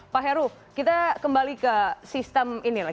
pak heru kita kembali ke sistem ini lah